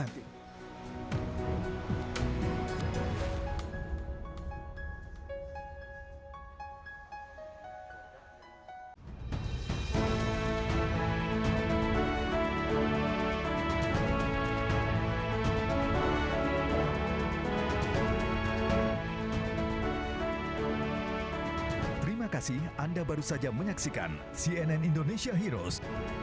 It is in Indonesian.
terima kasih anda baru saja menyaksikan cnn indonesia heroes